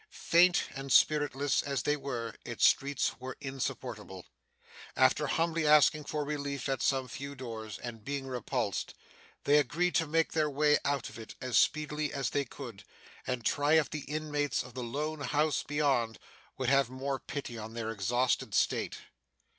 Faint and spiritless as they were, its streets were insupportable. After humbly asking for relief at some few doors, and being repulsed, they agreed to make their way out of it as speedily as they could, and try if the inmates of any lone house beyond, would have more pity on their exhausted state.